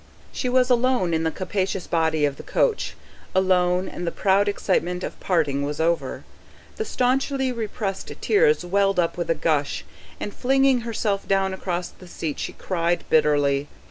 She was alone in the capacious body of the coach, alone, and the proud excitement of parting was over. The staunchly repressed tears welled up with a gush, and flinging herself down across the seat she cried bitterly.